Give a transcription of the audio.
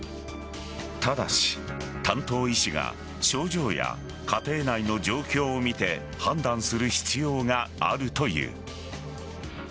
ただし、担当医師が症状や家庭内の状況を見て判断する必要があるという。